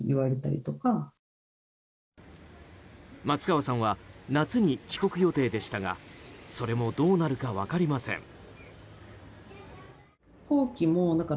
松川さんは夏に帰国予定でしたがそれもどうなるか分かりません。